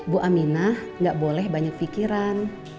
bu aminah gak boleh banyak pikiran